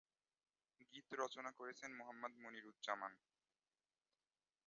গীত রচনা করেছেন মোহাম্মদ মনিরুজ্জামান।